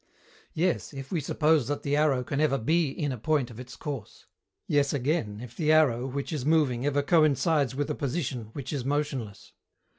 Yes, if we suppose that the arrow can ever be in a point of its course. Yes again, if the arrow, which is moving, ever coincides with a position, which is motionless.